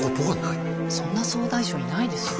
そんな総大将いないですよね。